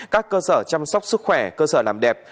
các cơ sở chăm sóc sức khỏe cơ sở làm đẹp